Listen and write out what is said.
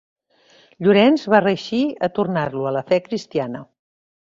Llorenç va reeixir a tornar-lo a la fe cristiana.